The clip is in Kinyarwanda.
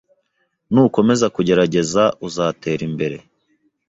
Nukomeza kugerageza, uzatera imbere